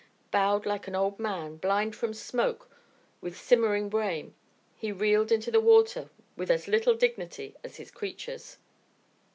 Bowed like an old man, blind from smoke, with simmering brain, he reeled into the water with as little dignity as his creatures.